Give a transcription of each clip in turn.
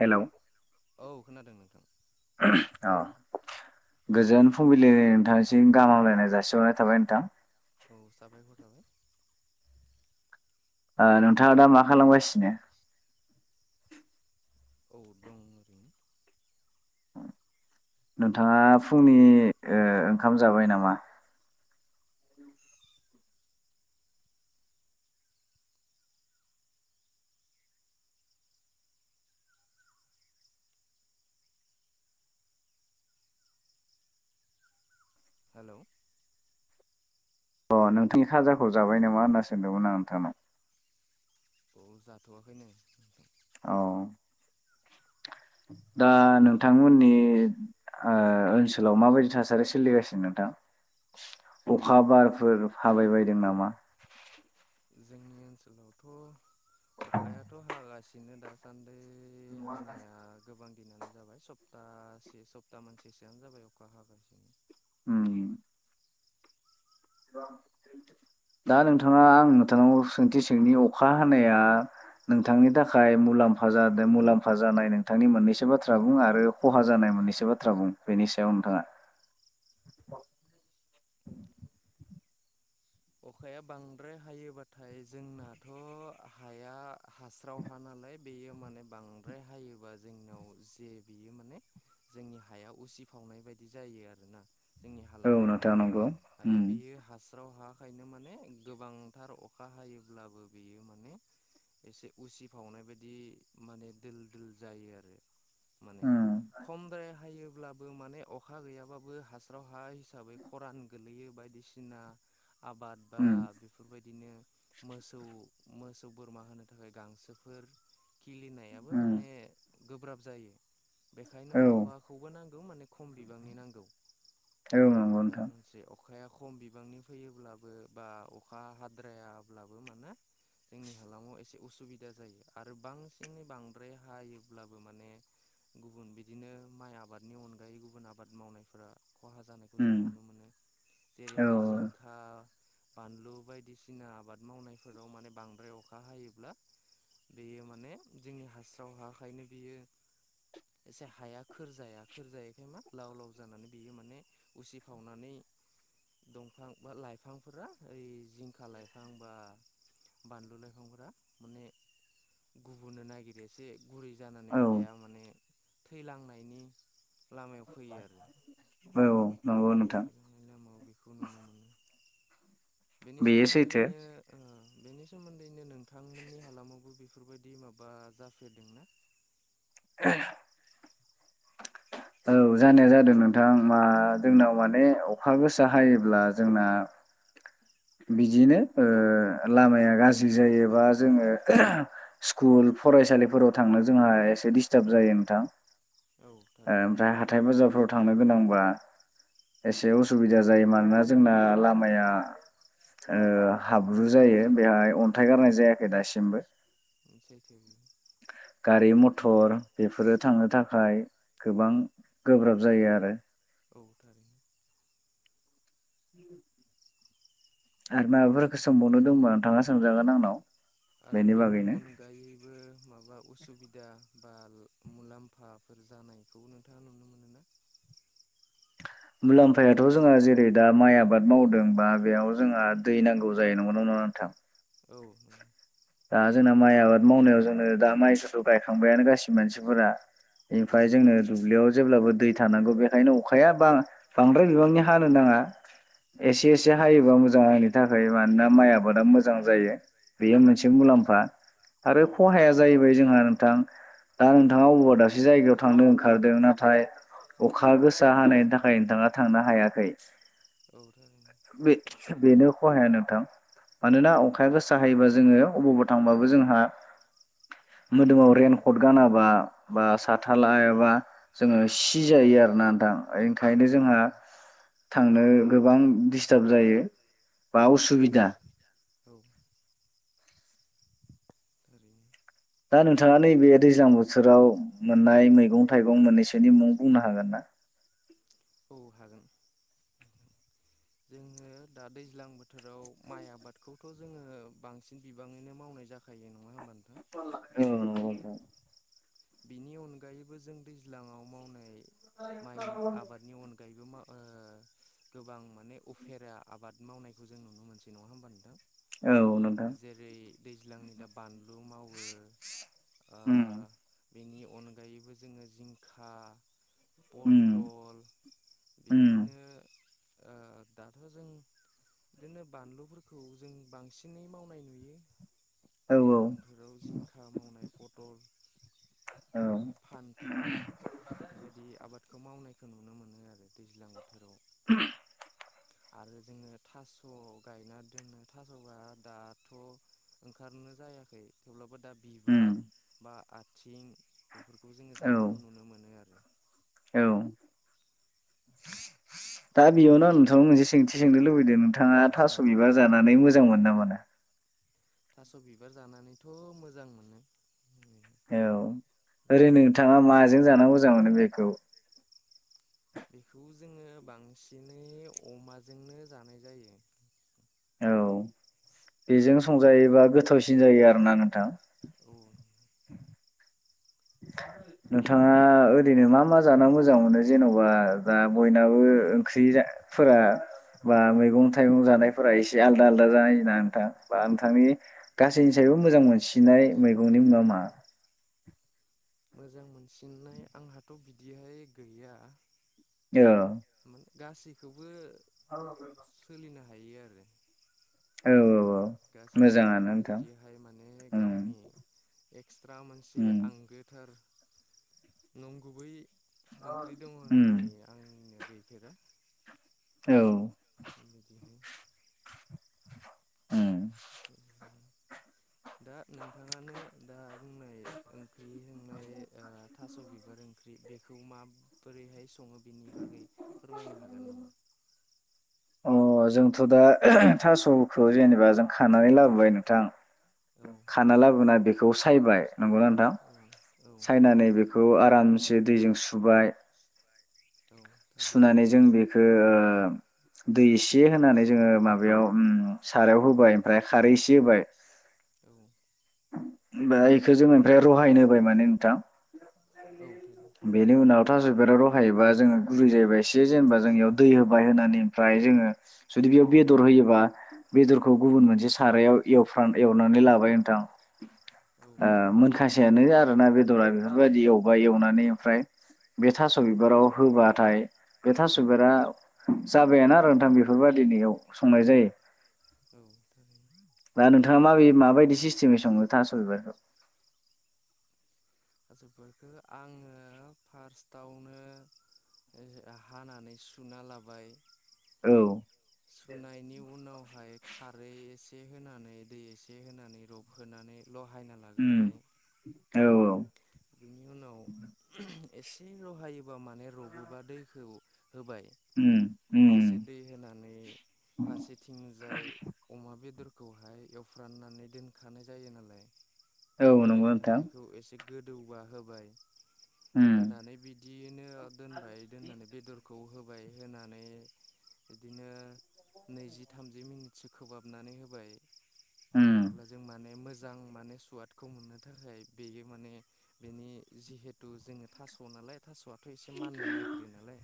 Hello. औ खोनादों नोंथां। अ गोजोन फुंबिलिनि नोंथांनिसिम गाहाम हामलायनाय जासिहरनाय थाबाय नोंथां। औ सााबायखर थाबाय। ओ नोंथाङा दा मा खालामगासिनो? औ दं [inaudible] नोंथांआ फुंनि ओ ओंखाम जाबाय नामा? हेलौ। अ नोंथांनि खाजाखौ जाबाय नामा होनना सोंदोंमोन आं नोंथांनाव। अ जाथवाखैनो। औ दा नोंथांमोननि ओ ओनसोलाव माबायदि थासारि सोलिगासिनो नोंथां अखा बारफोर हाबाय बायदों नामा? जोंनि ओनसोलावथ अखायाथ हागासिनो दासान ओय हानाया गोबां नानो जाबाय सप्तासे सप्ता मानसेसोआनो जाबाय अखा हागासिनो। उम। दा नोंथाङा आं नोंथांनाव सोंथि सोंनि अखा हानाया नोंथांनि थाखाय मुलाम्फा जादों मुलाम्फा जानाय नोंथांनि मोननैसो बाथ्रा बुं आरो खहा जानाय मोननैसो बाथ्रा बुं बेनि सायाव नोंथाङा। अखाया बांद्राय हायोबाथाय जोंनाथ हाया हास्राव हा नालाय बेयो माने बांद्राय हायोबा जोंनाव जे बेयो माने जोंनि हाया उसिफावनाय बायदि जायो आरोना। जोंनि हालामावहाय हाया बेयो हास ओंखायनो माने गोबांथार अखा हायोब्लाबो बेयो माने एसे उसिफावनाय बायदि माने दोल दोल जायो आरो माने खमद्राय हायो ब्लाबो माने अखा गैयाबाबो हास्राव हा हि हिसाबै खरान गोलैयो। बायदिसिना आबाद बा बेफोरबायदिनो मोसौ मोसौ बोरमा होनो थाखाय गांसोफोर खिलिनायाबो माने गोब्राब जायो। बेखायनो अखाखौबो नां बेखौ माने खम बिबांनि नांगौ। औ नंगौ नोंथां अखाया खम बिबांनि फैयो ब्लाबो बा अखा हाद्रायाब्लाबो माने जोंनि हालामाव एसे उसुबिदा जायो आरो बांसिनै बांद्राय हायोब्लाबो माने गुबुन बिदिनो माइ आबादनि अनगायै गुबुन आबाद मावनायफोरा खहा जानायखौ जों नुनो मोनो जेरैहाय जिं बानलु बायदिसिना आबाद मावनायफोराव माने बांद्राय अखा हायोब्ला बेयो माने जोंनि हास्राव हायाखायनो बियो एसे हाया खोर जाया खोर जायैखाय मा लाव लाव जानानै बियो माने उसिफावनानै द बिफां बा लाइफांफोरा ओइ जिंखा लाइफां बा बानलु लाइफांफोरा माने गुबुननो नागिरोसे गुरै जानानै हाया माने थैलांनायनि औ औ नंगौ नोंथां बेनि सोमोन्दैनो ओ बेनि सोमोन्दैनो नों नोंथांमोननि हालामावबो बे बेफोरबायदि माबा जाफेरदोंना? [unintelligible] औ जानाया जादों नोंथां मा जोंनाव माने अखा गोसा हायोब्ला जोंना बिदिनो ओ लामाया गाज्रि जायोबा जोंङो स्कुल फरायसालिफोराव थांनो जोंहा एसे डिस्टार्ब जायो नोंथां। ओमफ्राय हाथाय बाजारफ्राव थांनो गोनांबा एसे उसुबिदा जायो मानोना जोंना लामाया हाब्रु जायो बेहाय अन्थाइ गारनाय जायाखै दासिमबो। [inaudible] गारि मथर बेफोरो थांनो थाखाय गोबां गोब्राब जायो आरो [inaudible] आरो माबाफोरखौ सोंबावनो दंबों थांङा सोंजागोन आंनाव आरो बेनि अनगायैबो माबा उसुबिदा बा मुलाम्फाफोर जानायखौ नोंथाङा नुनो मोन्दों ना? मुलाम्फायाथ जोंहा जेरै दा माइ आबाद मावदोंबा बेयाव जोंहा दै नांगौ जायो नंगौ ना नङा नोंथां? औ दा जोंना माइ आबाद मावनायाव जोंनो दा माइखौथ गायखांबायानो गाससि मानसिफोरा ओमफ्राय जोंङो दुब्लियाव जेब्लाबो दै थानांगौ बेखायनो अखाया बा बांद्राय बिबांनि हानो नाङा एसे एसे हायोबा मोजां आंनि थाखाय मानोना माइ आबादा मोजां जायो। बेयो मोनसे मुलाम्फा आरो खहाया जाहैबाय जोंहा नोंथां दा नोंथाङा अबेबा दाबसे जायगायाव थांनो ओंखारदों नाथाय अखा गोसा हानायनि थाखाय नोंथाङा थांनो हायाखै। औ थारैनो बेनो खहाया नोंथां मानोना अखाया गोसा सा हायोबा जोङो अबावबा थांबाबो जोंहा [inaudible] मोदोमाव रेनकट गानाबा बा साथा लायाबा जोङो सि जायो आरोना नोंथां। ओंखायनो जोंहा थांनो गोबां दिस्टार्ब जायो औ थारैनो असुबिदा औ [inaudible] ओरैनो दा नोंथाङा नैबे दैज्लां बोथोराव मोननाय मैगं थाइगं मोननैसोनि मुं बुंनो हागोन ना? औ हागोन जोङो दा दैज्लां बोथोराव माइ आबादखौथ' जोङो बांसिन बिबाङैनो मावनाय जाखायो नङा होमबा नों औ नंगौ नोंथां बिनि अनगायैबो जों दैज्लाङाव मावनाय माइ आबादनि अनगायैबो मा ओ गोबां माने उफेरा आबाद मावनायखौ जों नुनो मोनसै नङा होमबा नोंथां जेरै दैज्लांनि दा बानलु मावो [inaudible] ओ बेनि अनगायैबो जोङो जिंखा पटल बिदिनो ओ दाथ' जों बिदिनो बानलुफोरखौ जों बांसिनै मावनाय नुयो दैज्लां बोथोराव जिंखा मावनाय पटल फान्थाव बेफोरबायदि आबाद खौ मावनायखौ नुनो मोनो आरो दैज्लां बोथोराव [inaudible] आरो जोङो थास' गायना दोनो थास'बा दाथ' ओंखारनो जायाखै थेवब्लाबो दा बिबार बा आ [inaudible] बेफोरखौ जोङो जानायखौ नुनो मोनो आरो औ [unintelligible] दा बेयावनो आङो नोंथांना मोनसे सोंथि सोंनो लुबैदों नोंथाङा थास' बिबार जानानै मोजां मोनो ना मोना? थास' बिबार जानानैथ' मोजां मोनो। औ ओरै नोंथाङा माजों जाना मोजां मोनो बेखौ बेखौ जोङो बांसिनै अमाजोंनो जानाय जायो। औ बेजों संजायोबा गोथावसिन जायो आरोना नोंथां नोंथाङा ओरैनो मा मा जानो मोजां मोनो जेन'बा दा बयनाबो ओंख्रिफोरा बा मैगं थाइगं जानायफोरा एसे आलदा आलदा जायो जा नोंथां बा नोंथांनि गासैनिसायबो मोजां मोनसिननाय मैगंनि मुङा मा? मोजां मोनसिननाय आंहाथ' बिदिहाय गैया। औ मोन गासैखौबो [unintelligible] थायो आरो औ औ गासैखौबो जानानैनो जुदि बिदिहाय माने गावनि एक्सट्रा मोनसे आंगोथार। नंगुबै। ओंख्रि दङ होननानै आंनो। गैफेरा। औ। बिदिहाय। ओम। [unintelligible] दा नोंथाङानो दा बुंनाय ओंख्रि संनाय ओ थास' बिबार ओंख्रि बेखौ मा। बोरैहाय सं। [unintelligible] अ जोंथ' दा थास'खौ जेनेबा जों खानानै लाबोबाय नोंथां। खाना लाबो ना बेखौ। खौ सायबाय। नंगौना नोंथां? साइना नै बेखौ। खौ आरामसे दैजों सुबाय। औ। सुनानै जों बेखौ ओ दै इसे होनानै जोङो माबायाव सारायाव होबाय ओमफ्राय खारै एसे होबाय। बेहाय इखो जों ओमफ्राय रहायनो होबाय माने नोंथां। औ थारैनो। थास' बिबारा रहायोबा जोङो गुरै जायोबाय एसे जेनेबा जोंनियाव दै होबाय होनानै ओमफ्राय जोङो जुदि बेयाव बेदर होयोबा बेदरखौ गुबुन मोनसे सारायाव एवफ्रान एवनानै लाबाय नोंथां। ओ मोनखासेयानो आरोना बेदरा बेफोरबायदि एवबाय एवनानै ओमफ्राय बे थास' बिबाराव होबाथाय बे थास' बिबारा जाबायानो आरो नोंथां बेफोर बायदिनो एव संनाय जायो। दा नोंथाङा माबि माबायदि सिसटेम? मै सङो थास' बिबारखौ? थास' बिबारखो आङो फार्स्टआवनो हानानै सुना लाबाय। सुनायनि उनावहाय खारै एसे। [unintelligible] होनानै दै एसे होनानै रब होनानै। उम औ-औ। बेनि उनाव। एसे रहायोबा। माने रबोबा दैखौ होबाय एसे दै होनानै फारसेथिंजाय अमा बेदर। खौहाय एवफ्राननानै दोनखानाय जायो नालाय। बे दोनखानायखौ एसे। गोदौबा होबाय। होनानै बिदिनो दोनबाय दोननानै बेदरखौ। खौ होबाय होनानै बिदिनो। नैजि थामजि मिनिट। से खोबा हाबनानै होबाय। अब्ला जों माने मोजां मोजां माने सुवादखौ मोननो थाखाय बेयो माने बेनि जिहेथु जोङो थास' नालाय थास'आ थ' एसे माननो नागिरो नालाय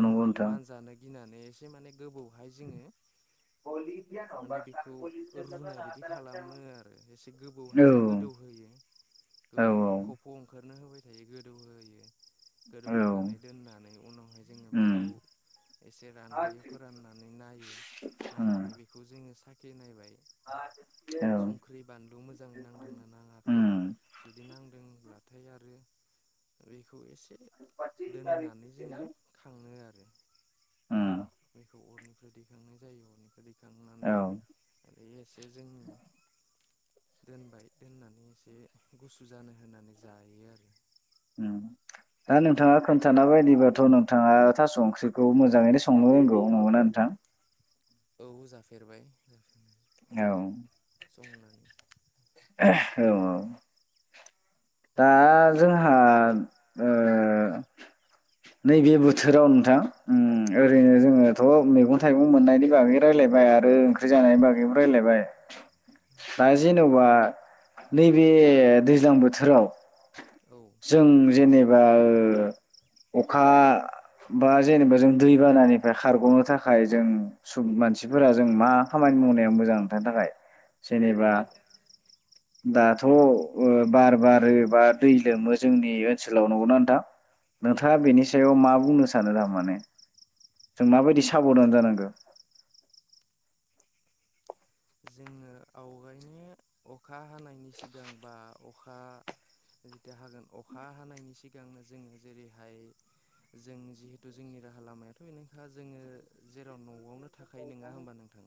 बेखौ मान जानो गिनानै एसे माने गोबाव हाय जोङो माने बेखौ रुनाय बायदि खालामो आरो एसे गोबौ हाय जों गोदौहोयो। औ खफ' ओंखा नो होबाय थायो गोदौ होयो। गोदौ होनानै दोननानै उनाव हाय जोङो बेखौ एसे रानहैयो फोराननानै नायो नायनानै बेखौ जोङो साखि साखि नायबाय। संख्रि बानलु मोजाङै नांदोंना नाङाखै? जुदि नांदों ब्लाथाय आरो बेखौ एसे ए दोननानै जोङो खाङो आरो। बेखौ अर निफ्राय दैखांनाय जायो अर निफ्राय दैखांनानै आरो एसे जोंनि दोनबाय दोननानै एसे गुसु जानो होननानै जायो आरो। उम दा नोंथाङा खोनथाना बायदि बाथ' नोंथाङा थास' ओंख्रिखौ मोजाङैनो संनो रोंगौ नं मोना नोंथां? औ जाफेर बाय। संनानै। [inaudible] औ। दा जोंहा ओ नैबे बोथोराव नोंथां। उम ओरैनो जोङो थ' मेगन थाइगं मोननायनि बागै राय लायबाय आरो ओंख्रि जानायनि बागैबो राय लायबाय दा जेनेबा नैबे दैज्लां बोथोराव जों जेनेबा ओ अखा बा जेनेबा जों दैबाना निफ्राय खारग'नो थाखाय जों सुब मानसि फोरा जों मा खामानि मावनाया मोजां नोंथांनि थाखाय जेनेबा दाथ' ओ बार बारोबा दै लोमो जोंनि ओनसोलाव नंगौना नोंथां? नोंथाङा बेनि सायाव मा बुंनो सानो थामाने जों माबायदि साब'धान जानांगौ? अखा हानायनि सिगां बा अखा जिथिया हागोन अखा हानायनि सिगांनो जोङो जेरै हाय जों जिहेथु जोंनि राहा लामायाथ' बेनोखा जोङो जेराव न' न'आवनो थाखायो नङा होमबा नोंथां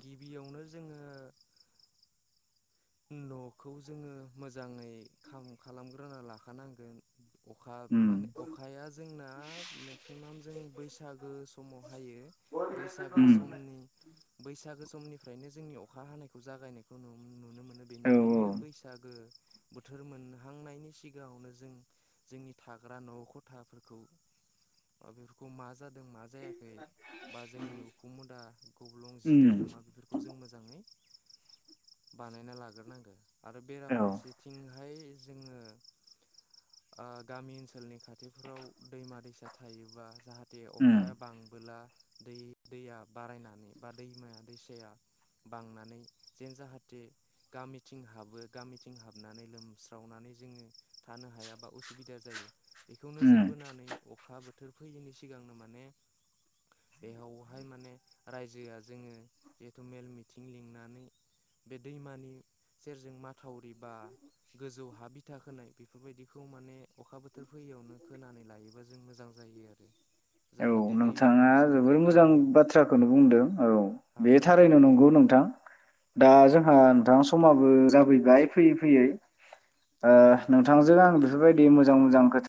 गिबि यावनो जोङो न'खौ जोङो मोजाङै खाम खालाम ग्रोना लाखानांगोन। अखा माने अखाया जोंना मेक्सि माम जों बैस गो समाव हायो बैसागो समनि बैसागो समनि फ्रायनो जोंनि अखा हानायखौ जागाय नायखौ नु नुनो मोनो। बेनिखायनो बैसागो बोथोर मोनहांनायनि सिगाङावनो जों जोंनि थाग्रा न' खथाफोरखौ ओ बेफोरखौ मा जादों जों मा जायाखै बा जोंनि उखुमुदा गब्लं जिदों नामा बेफोरखौ जों मोजाङै बानायना ला ग्रो नांगो। आरो बेराफारसेथिंहाय जोङो ओ गामि ओनसोलनि खाथिफ्राव दैमा दैसा थायोबा जाहा थे अखाया बांबोला दै दैया बारायनानै बा दैमाया दैसाया बांनानै जेन जाहाथे गामिथिं हाबो गामिथिं हाबनानै लोमस्रावनानै जोङो थानो हायाबा उसुबिदा जायो बेखौ नोजोर बोनानै अखा बो थोर फैयैनि सिगांनो माने बेयावहाय माने रायजोआ जोङो जिहेथु मेल मिथिं लिंनानै बे दैमानि सेरजों माथावरि बा गोजौ हा बिथा होनाय बेफोरबायदिखौ माने अखा बोथोर फैयावनो खोनानै लायोबा जों मोजां जायो आरो जाहाथे दैमाया लोमसावनानै गामियाव हाबनो हायैबायदि समाबो जाफैबाय फैयै फैयै ओ नोंथांजों आं बेफोरबायदि मोजां मोजां मोजां खोथा